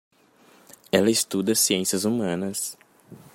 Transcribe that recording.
Ela estuda Ciências Humanas.